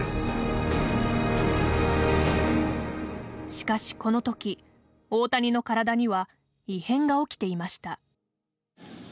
しかし、この時、大谷の体には異変が起きていました。